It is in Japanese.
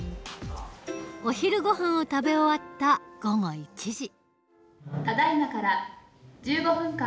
お昼ごはんを食べ終わった午後１時。